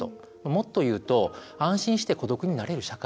もっと言うと安心して孤独になれる社会